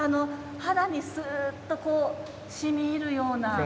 肌にすーっとしみいるような。